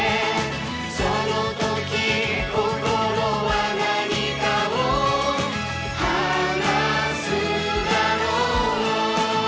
「その時心は何かを話すだろう」